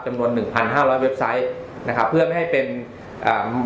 หนึ่งพันห้าร้อยเว็บไซต์นะครับเพื่อไม่ให้เป็นอ่า